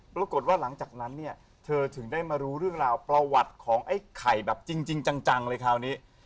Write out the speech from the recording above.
ปรากฏว่าหลังจากนั้นเนี่ยเธอถึงได้มารู้เรื่องราวประวัติของไอ้ไข่แบบจริงจังเลยคราวนี้